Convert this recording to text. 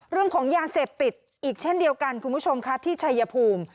เรื่องของยาเสพติดอีกเช่นเดียวกันคุณผู้ชมค่ะที่ชัยภูมิ